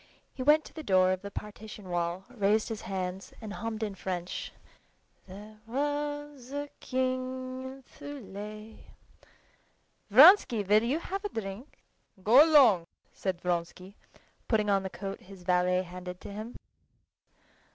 He went to the door of the partition wall, raised his hands, and hummed in French, "There was a king in Thule." "Vronsky, will you have a drink?" "Go along," said Vronsky, putting on the coat his valet handed to him.